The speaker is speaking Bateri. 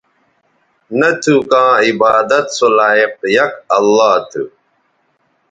نہ تھو کاں عبادت سو لائق یک اللہ تھو